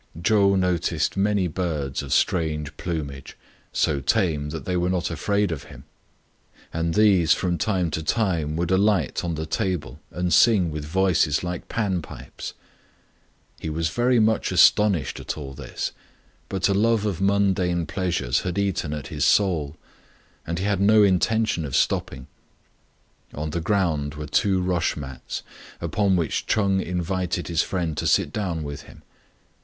Chou noticed many birds of strange plumage, so tame that they were not afraid of him ; and these from time to time would alight on the table and sing with voices like Pan pipes. He was very much astonished at all this, but a love of mundane pleasures had eaten into his soul, and he had FROM A CHINESE STUDIO. 6 1 no intention of stopping. On the ground were two rush mats, upon which Ch'eng invited his friend to sit down with him.